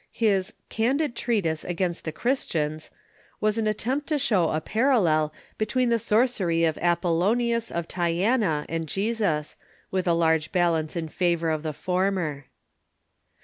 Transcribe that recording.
His " Candid Treatise against the Christians" was an attempt to show a parallel between the sorcery of Apollonius of Tyana and Jesus, with a large bal ance in favor of the former.